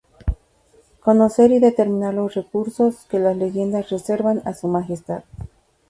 Conocer y determinar los recursos que las leyes reservan a su majestad.